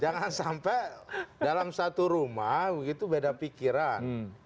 jangan sampai dalam satu rumah begitu beda pikiran